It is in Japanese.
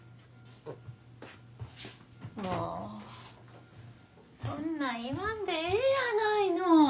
もうそんなん言わんでええやないの。